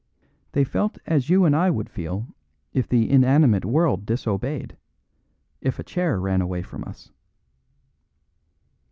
They felt as you and I would feel if the inanimate world disobeyed if a chair ran away from us.